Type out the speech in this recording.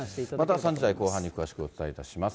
また３時台後半に詳しくお伝えいたします。